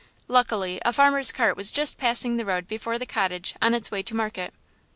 Luckily a farmer's cart was just passing the road before the cottage on its way to market.